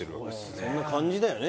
そんな感じだよね